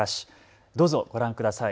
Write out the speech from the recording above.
どうぞご覧ください。